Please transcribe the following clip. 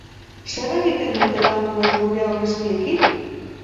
Zer egiten dute bankuek gure aurrezkiekin?